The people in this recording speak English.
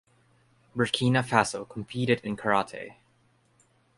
Burkina Faso competed in karate.